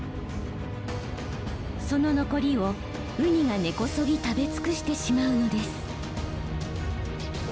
その残りをウニが根こそぎ食べ尽くしてしまうのです。